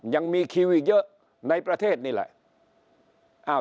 ยังมีคิวอีกเยอะในประเทศนี่แหละ